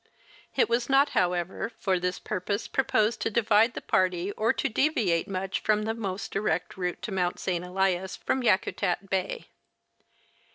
It was not, however, for this purpose proposed to divide the party or to deviate much from the most direct route to Mount St. Elias from Yakutat bay.